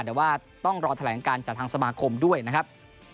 แต่ว่าต้องรอแถลงการจากทางสมาคมด้วยนะครับ